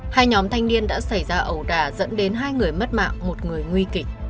hai nhóm thanh niên đã xảy ra ẩu đà dẫn đến hai người mất mạng một người nguy kịch